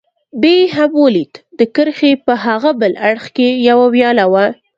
مې هم ولید، د کرښې په هاغه بل اړخ کې یوه ویاله وه.